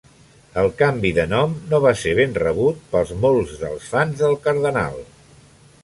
El canvi de nom no va ser ben rebut per molts dels fans del cardenal.